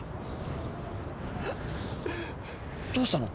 どうしたの？